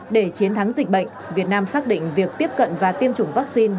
để chiến thắng dịch bệnh việt nam xác định việc tiếp cận và tiêm chủng vaccine